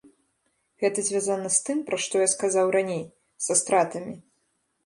Гэта звязана з тым, пра што я сказаў раней, са стратамі.